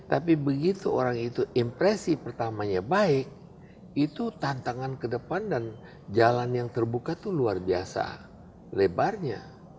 tapi begitu orang itu impresi pertamanya baik itu tantangan ke depan dan jalan yang terbuka itu luar biasa lebarnya